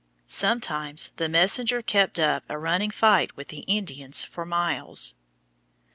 Sometimes the messenger kept up a running fight with the Indians for miles.